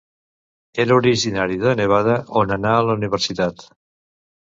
Era originari de Nevada, on anà a la Universitat.